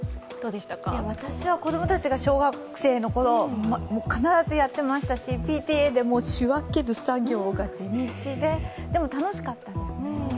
私は子供たちが小学生のころ必ずやってましたしＰＴＡでも仕分ける作業が地道で、でも楽しかったです。